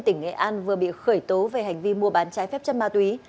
tỉnh nghệ an vừa bị khởi tố về hành vi mua bán trái phép chất ma túy